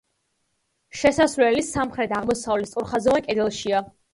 შესასვლელი სამხრეთ-აღმოსავლეთ სწორხაზოვან კედელშია.